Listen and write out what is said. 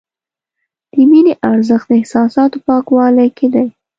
د مینې ارزښت د احساساتو پاکوالي کې دی.